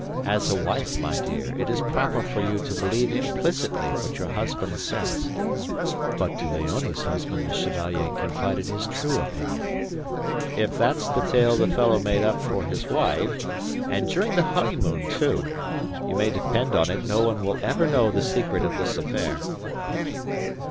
As a wife, my dear, it is proper for you to believe implicitly what your husband says." But to Léonie's husband the Chevalier confided his true opinion. "If that's the tale the fellow made up for his wife, and during the honeymoon, too, you may depend on it no one will ever know the secret of this affair."